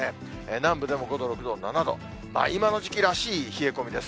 南部でも５度、６度、７度、今の時期らしい冷え込みです。